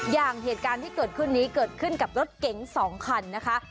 อย่างเหตุการณ์ที่เกิดขึ้นนี้เกิดขึ้นกับรถเก๋ง๒คันนะคะ